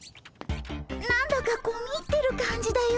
何だか込み入ってる感じだよ。